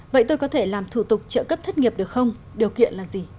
vậy tôi có thể làm thủ tục trợ cấp thất nghiệp được không điều kiện là gì